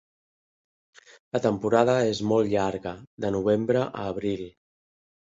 La temporada és molt llarga, de novembre a abril.